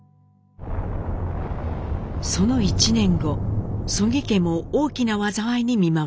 その１年後曽木家も大きな災いに見舞われます。